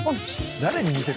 誰に見せてるの？